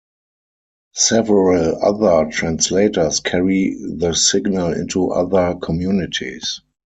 Several other translators carry the signal into other communities.